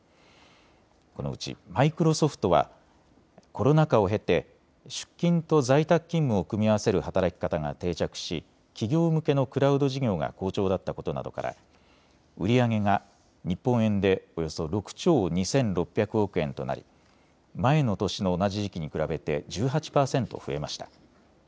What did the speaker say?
このうちマイクロソフトはコロナ禍を経て出勤と在宅勤務を組み合わせる働き方が定着し企業向けのクラウド事業が好調だったことなどから売り上げが日本円でおよそ６兆２６００億円となり前の年の同じ時期に比べて１８％増えました。